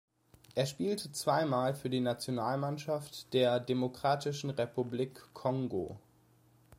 Er spielte zweimal für die Nationalmannschaft der Demokratischen Republik Kongo.